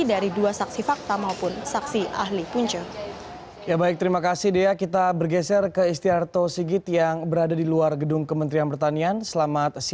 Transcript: dari dua saksi fakta maupun saksi ahli punca